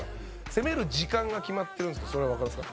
攻める時間が決まってるんですけどそれは、わかりますか？